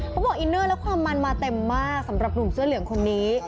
บอกอินเนอร์และความมันมาเต็มมากสำหรับหนุ่มเสื้อเหลืองคนนี้